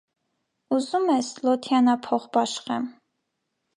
- ուզո՞ւմ ես, լոթիանա փող բախշեմ: